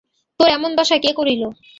তাের এমন দশা কে করিল?